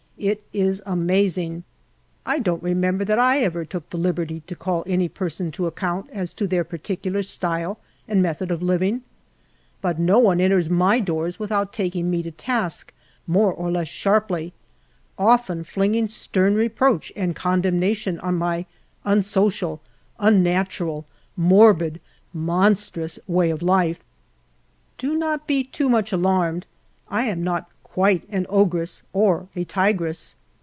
It is amazing. I don't remember that I ever took the liberty to call any person to acc(5unt as to their particu lar style and method of living ; but no one enters my doors without taking me to task, more or less sharply, often fling ing stern reproach and condemnation on my unsocial, un 20 HALF A DIME A DAY. • natural, morbid, monstrous way of life. Do not be too much alarmed ; I am not quite an ogress or a tigress.